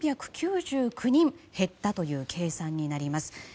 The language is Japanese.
３９９人減ったという計算になります。